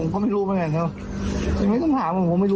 ใช้ตัวได้